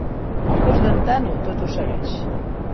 El gos d'en Tano tot ho segueix.